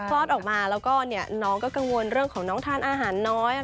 คลอดออกมาแล้วก็น้องก็กังวลเรื่องของน้องทานอาหารน้อย